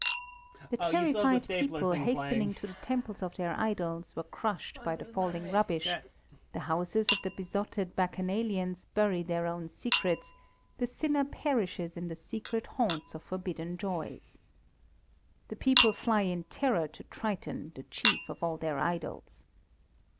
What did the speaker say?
The terrified people, hastening to the temples of their idols, were crushed by the falling rubbish; the houses of the besotted Bacchanalians bury their own secrets; the sinner perishes in the secret haunts of forbidden joys. The people fly in terror to Triton, the chief of all their idols.